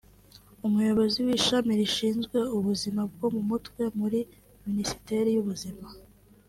umuyobozi w’ishami rishinzwe ubuzima bwo mu mutwe muri Minisiteri y’Ubuzima